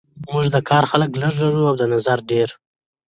موږ د کار خلک لږ لرو او د نظر ډیر